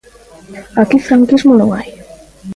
Aquí franquismo non hai.